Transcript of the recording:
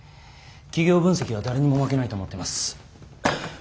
企業分析は誰にも負けないと思っています。